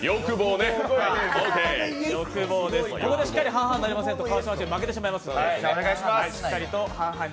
ここでしっかり半々にならないと川島チーム負けてしまいますので。